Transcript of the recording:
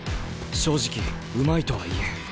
正直うまいとは言えん。